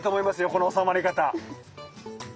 この収まり方。